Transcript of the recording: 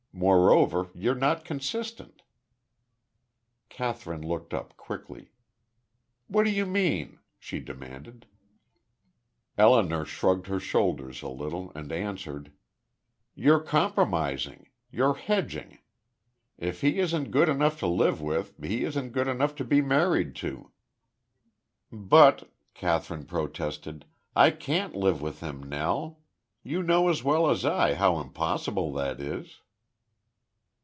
Moreover, you're not consistent." Kathryn looked up, quickly. "What do you mean?" she demanded. Elinor shrugged her shoulders, a little and answered: "You're compromising. You're hedging. If he isn't good enough to live with, he isn't good to be married to." "But," Kathryn protested. "I can't live with him, Nell! You know as well as I how impossible that is."